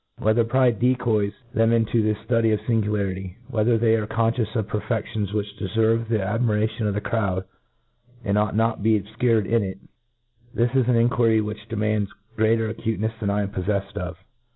Whether pride decoys them in ? to this ftudy of fingularity ; whether they are confcious of perfedions which deferve the ad miration of the crowd, and ought ^ot to be ob fcured in it ; this is an inquiry which demands greater acutencfs than I am poffeffed of.